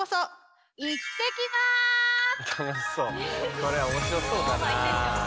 これ面白そうだな。